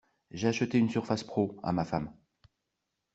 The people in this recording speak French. J'ai acheté une surface pro à ma femme.